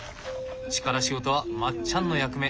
力仕事はまっちゃんの役目。